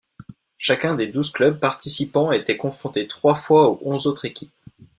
Chacun des douze clubs participant était confronté trois fois aux onze autres équipes.